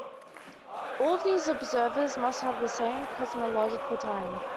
All of these observers must have the same cosmological time.